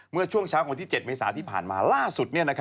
เมื่อช่วงเช้าวันที่๗เมษาที่ผ่านมาล่าสุด